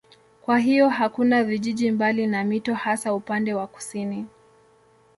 Kwa hiyo hakuna vijiji mbali na mito hasa upande wa kusini.